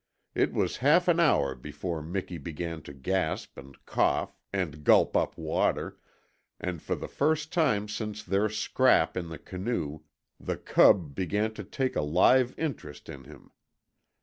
It was half an hour before Miki began to gasp, and cough, and gulp up water, and for the first time since their scrap in the canoe the cub began to take a live interest in him.